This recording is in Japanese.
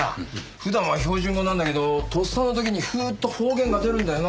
普段は標準語なんだけどとっさの時にふっと方言が出るんだよな。